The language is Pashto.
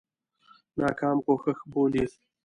ناکام کوښښ بولي.